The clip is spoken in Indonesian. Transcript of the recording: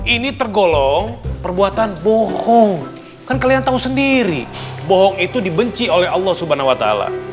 ini tergolong perbuatan bohong kan kalian tahu sendiri bohong itu dibenci oleh allah swt